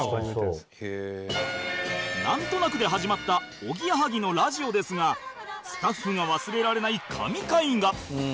なんとなくで始まったおぎやはぎのラジオですがスタッフが忘れられない神回が